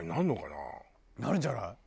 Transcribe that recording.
なるんじゃない？